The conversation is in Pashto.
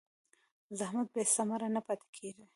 زحمت بېثمره نه پاتې کېږي.